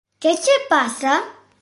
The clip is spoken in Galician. Que che pasa?